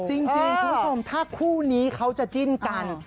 จริงคุณผู้ชมถ้าคู่นี้เขาจะจิ้นกัน